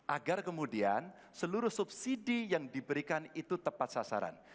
agar kemudian seluruh subsidi yang diberikan itu tepat sasaran